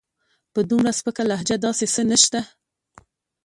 په دومره سپکه لهجه داسې څه نشته.